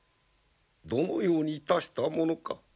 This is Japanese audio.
どのようにいたしたものか？